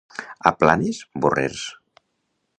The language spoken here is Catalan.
A Planes, borrers.